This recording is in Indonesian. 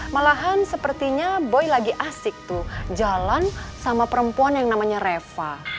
malahan sepertinya boy lagi asik tuh jalan sama perempuan yang namanya reva